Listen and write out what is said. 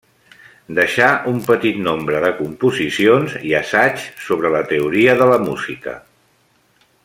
Deixà un petit nombre de composicions, i assaigs sobre la teoria de la música.